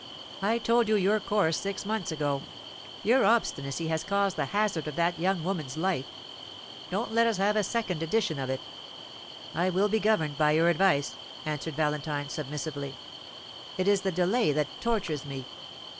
I told you your course six months ago. Your obstinacy has caused the hazard of that young woman's life. Don't let us have a second edition of it." "I will be governed by your advice," answered Valentine, submissively. "It is the delay that tortures me."